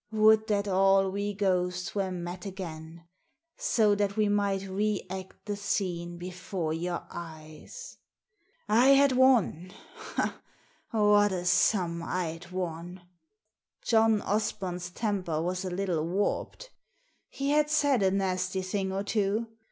Would that all we ghosts were met again, so that we might react the scene before your eyes ! I had won — ah ! what a sum Fd won. John Osborn's temper was a little warped. He had said a nasty thing or two.